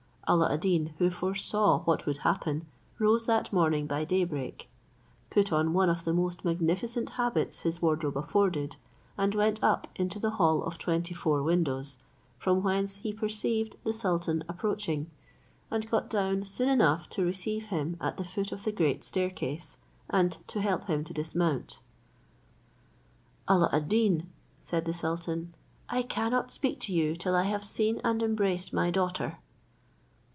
Alla ad Deen, who foresaw what would happen, rose that morning by day break, put on one of the most magnificent habits his wardrobe afforded, and went up into the hall of twenty four windows, from whence he perceived the sultan approaching, and got down soon enough to receive him at the foot of the great staircase, and to help him to dismount. "Alla ad Deen," said the sultan, "I cannot speak to you till I have seen and embraced my daughter."